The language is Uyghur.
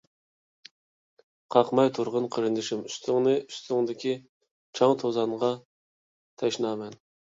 قاقماي تۇرغىن قېرىندىشىم ئۈستۈڭنى، ئۈستۈڭدىكى چاڭ-توزانغا تەشنامەن.